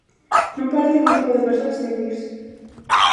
Non parecen o tipo de persoas de rirse.